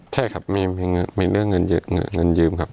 ใช่ครับมีเรื่องเงินยืมครับ